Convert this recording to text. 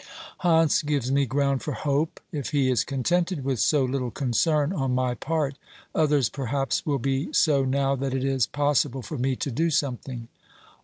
Hantz gives me ground for hope ; if he is contented with so little concern on my part, others perhaps will be so now that it is possible for me to do something.